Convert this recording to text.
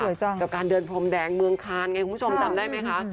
กับการเดินพรมแดงเมืองคานไงคุณผู้ชมจำได้ไหมคะ